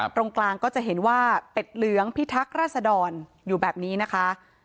ตรงกลางก็จะเห็นว่าเป็ดเหลืองพิทักษ์ราษดรอยู่แบบนี้นะคะ